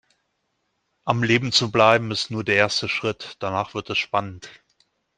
Am Leben zu bleiben ist nur der erste Schritt, danach wird es spannend.